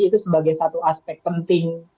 itu sebagai satu aspek penting